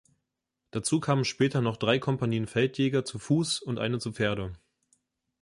Dazu kamen später noch drei Kompanien Feldjäger zu Fuß und eine zu Pferde.